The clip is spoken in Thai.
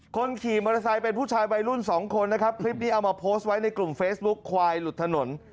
คนขี่มอเตอร์ไซค์เป็นผู้ชายวัยรุ่นสองคนนะครับคลิปนี้เอามาโพสต์ไว้ในกลุ่มเฟซบุ๊คควายหลุดถนน